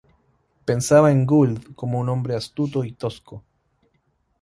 Pensaba en Gould como un hombre astuto y tosco.